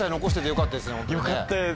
よかったです。